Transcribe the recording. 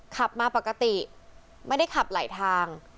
ขับมาปกติไม่ได้ขับไหลทาง